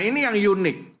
ini yang unik